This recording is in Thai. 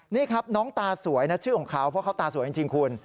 นี่ครับน้องตาสวยนะชื่อของเขาเพราะเขาตาสวยจริงคุณ